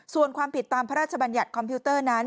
ส่วนความผิดตามพระราชบัญญัติคอมพิวเตอร์นั้น